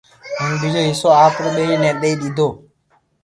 ھين ٻيجو حصو آپري ٻئير ني دئي ديدو